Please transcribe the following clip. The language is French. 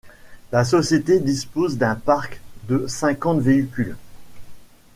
La société dispose d'un parc de cinquante véhicules.